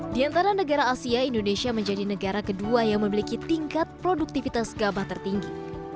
di antara negara asia indonesia menjadi negara kedua yang memiliki tingkat produktivitas gabah tertinggi